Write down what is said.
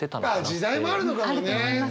ああ時代もあるのかもね。